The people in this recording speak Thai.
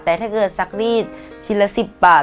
แต่ถ้าเกิดซักรีดชิ้นละ๑๐บาท